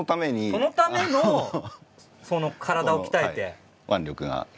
そのための体を鍛えて。